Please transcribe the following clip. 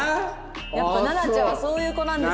やっぱなな茶はそういう子なんですよ。